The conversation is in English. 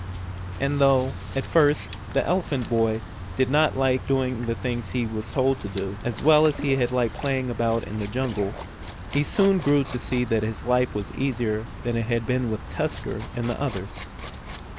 And though, at first, the elephant boy did not like doing the things he was told to do, as well as he had liked playing about in the jungle, he soon grew to see that his life was easier than it had been with Tusker and the others.